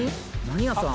何屋さん？